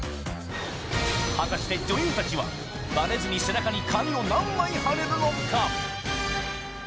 果たして女優たちはバレずに背中に紙を何枚貼れるのか。